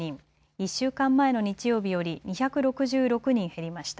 １週間前の日曜日より２６６人減りました。